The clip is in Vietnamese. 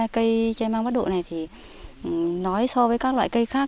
cây tre mang bắt độ này nói so với các loại cây khác